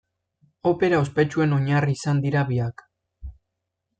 Opera ospetsuen oinarri izan dira biak.